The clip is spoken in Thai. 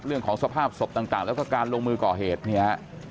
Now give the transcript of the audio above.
เรื่องของสภาพศพต่างแล้วก็การลงมือก่อเหตุเนี่ยฮะ